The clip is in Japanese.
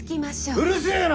うるせえな！